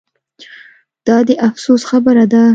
دا د افسوس خبره ده